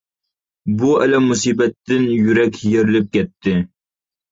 بۇ ئەلەم مۇسىبەتتىن، يۈرەك يېرىلىپ كەتتى.